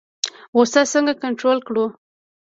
غوسه څنګه کنټرول کړو؟